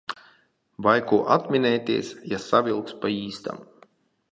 Vai ko atminēties, ja savilks pa īstam?